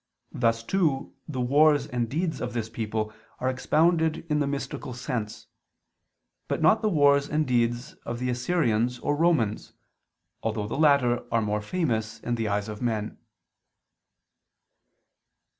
Thus, too, the wars and deeds of this people are expounded in the mystical sense: but not the wars and deeds of the Assyrians or Romans, although the latter are more famous in the eyes of men.